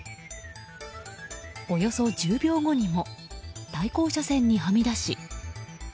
およそ１０秒後にも対向車線にはみ出し。